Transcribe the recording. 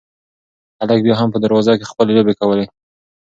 هلک بیا هم په دروازه کې خپلې لوبې کولې.